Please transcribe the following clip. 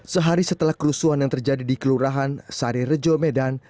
sehari setelah kerusuhan yang terjadi di kelurahan sari rejo medan